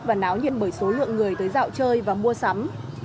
và náo nhận bởi số lượng người tới dạo chơi và mua sắm